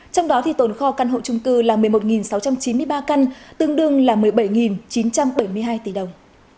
trong đó tồn kho căn hộ trung cư là một mươi một sáu trăm chín mươi ba căn tương đương là một mươi bảy chín trăm bảy mươi hai tỷ đồng